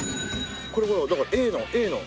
これほらだからＡのＡの。